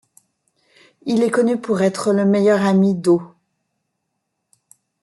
Il est connu pour être le meilleur ami d'O.